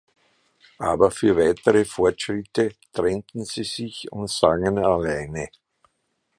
Aber für weitere Fortschritte trennten sie sich und sangen alleine.